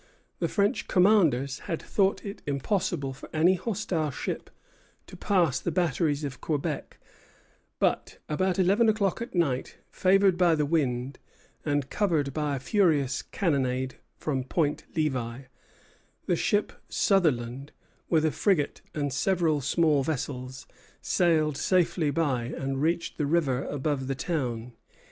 The French commanders had thought it impossible for any hostile ship to pass the batteries of Quebec; but about eleven o'clock at night, favored by the wind, and covered by a furious cannonade from Point Levi, the ship "Sutherland," with a frigate and several small vessels, sailed safely by and reached the river above the town.